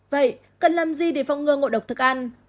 vậy cần làm gì để phong ngừa ngộ độc thực ăn